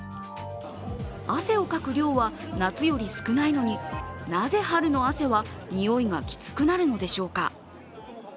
汗をかく量は夏より少ないのになぜ春の汗はにおいがきつくなるのでしょうか。